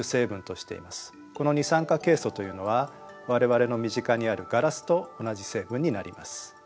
この二酸化ケイ素というのは我々の身近にあるガラスと同じ成分になります。